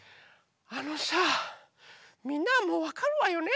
あのさあみんなはもうわかるわよね？